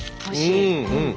うんうん。